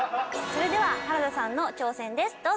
それでは原田さんの挑戦です。